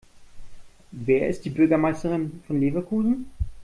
Wer ist die Bürgermeisterin von Leverkusen?